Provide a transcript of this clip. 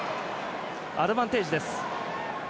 アドバンテージです。